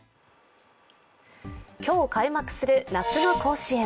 今日開幕する夏の甲子園。